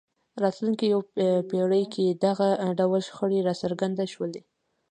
راتلونکې یوې پېړۍ کې دغه ډول شخړې راڅرګند شول.